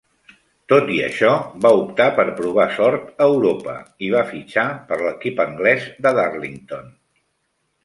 Tot i això, va optar per provar sort a Europa i va fitxar per l'equip anglès de Darlington.